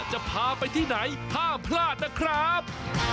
จะพาไปที่ไหนห้ามพลาดนะครับ